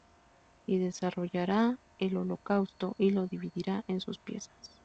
Y desollará el holocausto, y lo dividirá en sus piezas.